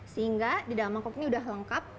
sehingga di dalam mangkok ini sudah lengkap